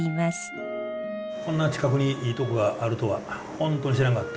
こんな近くにいいとこがあるとは本当に知らんかった。